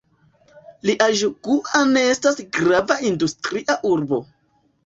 Jiaĝuguan estas grava industria urbo.